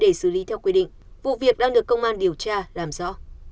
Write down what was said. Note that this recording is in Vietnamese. để xử lý theo quy định vụ việc đang được công an điều tra làm rõ